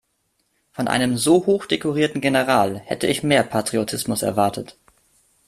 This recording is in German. Von einem so hochdekorierten General hätte ich mehr Patriotismus erwartet.